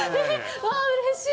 うわあ、うれしい。